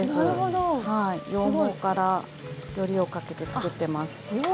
羊毛からよりをかけて作ってます。